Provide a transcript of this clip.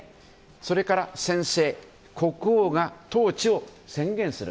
それから宣誓国王が統治を宣言する。